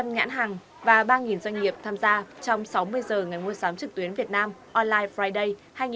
năm trăm linh nhãn hàng và ba doanh nghiệp tham gia trong sáu mươi giờ ngày mua sắm trực tuyến việt nam online friday hai nghìn hai mươi ba